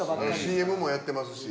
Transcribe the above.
ＣＭもやってますし。